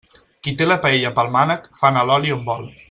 Qui té la paella pel mànec, fa anar l'oli on vol.